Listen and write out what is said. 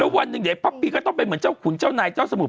วันหนึ่งเดี๋ยวพระปีก็ต้องเป็นเหมือนเจ้าขุนเจ้านายเจ้าสมุทร